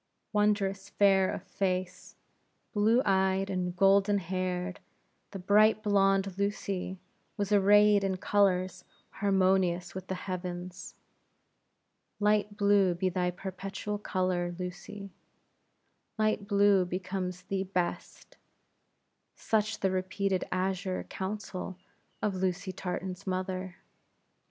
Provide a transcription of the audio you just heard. Wondrous fair of face, blue eyed, and golden haired, the bright blonde, Lucy, was arrayed in colors harmonious with the heavens. Light blue be thy perpetual color, Lucy; light blue becomes thee best such the repeated azure counsel of Lucy Tartan's mother.